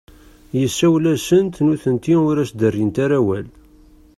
Yessawel-asent, nutenti ur as-d-rrint ara awal.